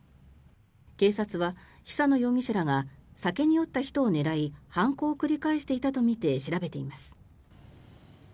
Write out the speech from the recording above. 警察は久野容疑者らが酒に酔った人を狙い犯行を繰り返していたとみて調べています。